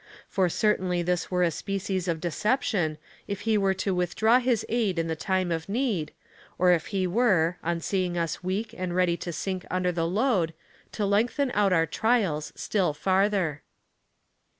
For certainly this were a species of deception, if he were to with draw his aid in the time of need, or if he were, on seeing us weak and ready to sink under the load, to lengthen out our trials still farther.